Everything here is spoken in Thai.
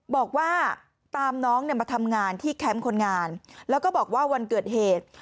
บอกว่าตามน้องเนี่ยมาทำงานที่แคมป์คนงานแล้วก็บอกว่าวันเกิดเหตุ